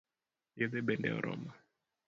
Yedhe bende oromo?